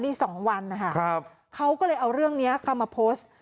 นี่สองวันนะคะเขาก็เลยเอาเรื่องนี้เข้ามาโพสต์